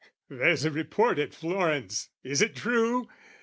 There's a report at Florence, is it true?